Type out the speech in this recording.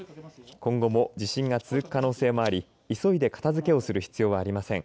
今後も地震が続く可能性もあり急いで片付けをする必要はありません。